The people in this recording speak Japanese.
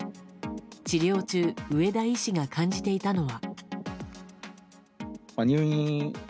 治療中上田医師が感じていたのは。